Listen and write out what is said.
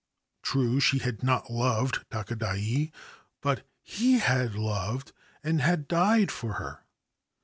True, she had not loved Takadai ; but he had loved, and had died for her.